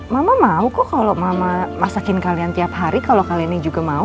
mama mau kok kalau mama masakin kalian tiap hari kalau kalian yang juga mau